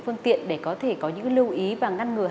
hay thưa ông